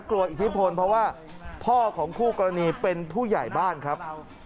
อิทธิพลเพราะว่าพ่อของคู่กรณีเป็นผู้ใหญ่บ้านครับ